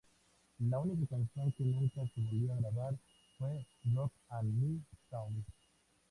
La única canción que nunca se volvió a grabar fue "Rock A My Soul".